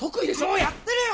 もうやってるよ！